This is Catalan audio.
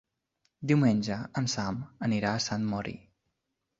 Diumenge en Sam anirà a Sant Mori.